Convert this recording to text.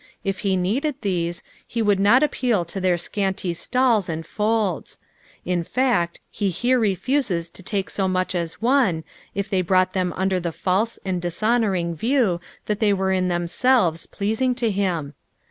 If he needed tliese, he would not appeal to their scanty stalls and folds ; in fact, he here refuses to take so much as one, if they brought them under the false and dishonouring view, that they were in themselves pleasing to him.